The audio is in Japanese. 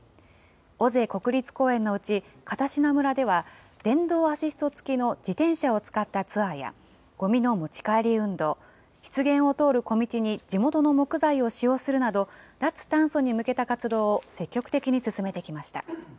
尾瀬国立公園のうち、片品村では、電動アシスト付きの自転車を使ったツアーや、ごみの持ち帰り運動、湿原を通る木道に地元の木材を使用するなど、脱炭素に向けた活動を積極的に進めてきました。